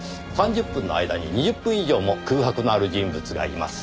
３０分の間に２０分以上も空白のある人物がいます。